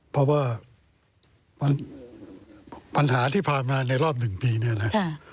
เพราะว่าปัญหาที่ผ่านมาในรอบ๑ปีเนี่ยนะ